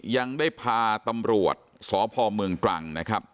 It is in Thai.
ยังได้พาตำรวจสพเมืองตรังนะครับ